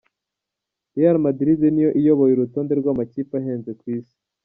Real Madrid niyo iyoboye urutonde rw' amakipe ahenze ku isi.